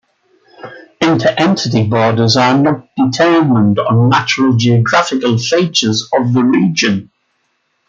Inter-entity borders are not determined on natural geographical features of the region.